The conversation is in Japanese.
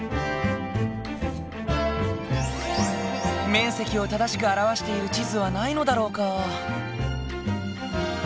面積を正しく表している地図はないのだろうか？